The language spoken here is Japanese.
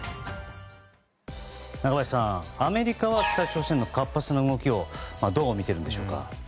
中林さんアメリカは北朝鮮の活発な動きをどう見ているんでしょうか。